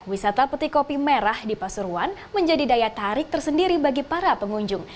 wisata peti kopi merah di pasuruan menjadi daya tarik tersendiri bagi para pengunjung